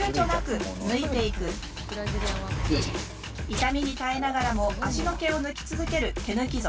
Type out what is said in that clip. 痛みに耐えながらも脚の毛を抜き続ける毛抜き族。